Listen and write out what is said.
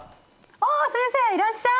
あ先生いらっしゃい！